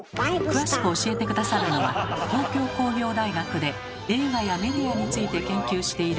詳しく教えて下さるのは東京工業大学で映画やメディアについて研究している